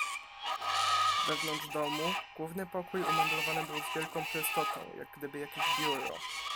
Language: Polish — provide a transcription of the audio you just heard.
"Wewnątrz domu główny pokój umeblowany był z wielką prostotą, jak gdyby jakieś biuro."